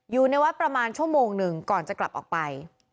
อยู่ในวัดประมาณชั่วโมงหนึ่งก่อนจะกลับออกไป